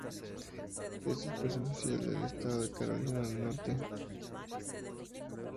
Es el pez oficial del estado de Carolina del Norte.